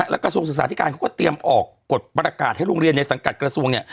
แล้วกระทรวงศึกษาธิการเขาก็เตรียมออกกฎประกาศให้โรงเรียนในสังกัดกระทรวงเนี่ย